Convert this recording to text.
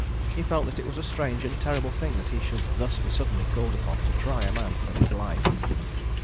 He felt that it was a strange and terrible thing that he should thus be suddenly called upon to try a man for his life.